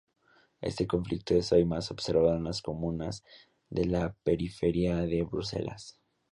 Este conflicto es hoy más observado en las comunas de la periferia de Bruselas.